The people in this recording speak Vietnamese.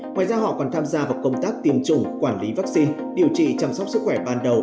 ngoài ra họ còn tham gia vào công tác tiêm chủng quản lý vaccine điều trị chăm sóc sức khỏe ban đầu